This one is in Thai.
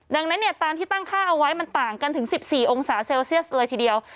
ดังนั้นเนี่ยตามที่ตั้งค่าเอาไว้มันต่างกันถึง๑๔องศาเซลเซียสเลยทีเดียว